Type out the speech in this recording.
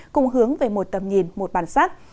cùng hướng về một tầm nhìn một bản sắc